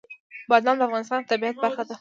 بادام د افغانستان د طبیعت برخه ده.